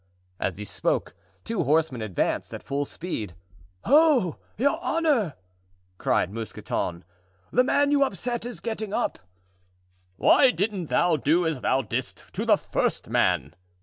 As he spoke, two horsemen advanced at full speed. "Ho! your honor!" cried Mousqueton, "the man you upset is getting up." "Why didn't thou do as thou didst to the first man?"